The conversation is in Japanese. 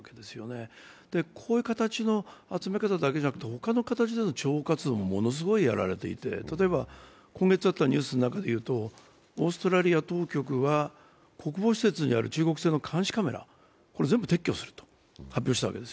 こういう形の集め方だけじゃなくて、ほかの形の諜報活動もものすごいやられていて、例えば今月あったニュースの中でいうとオーストラリア当局は国防施設にある中国製の監視カメラを全部撤去すると発表したんです。